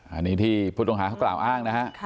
อันนี้ที่ผู้ต้องหาเขากล่าวอ้างนะฮะ